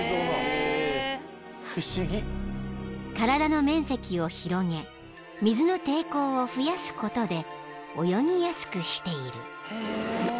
［体の面積を広げ水の抵抗を増やすことで泳ぎやすくしている］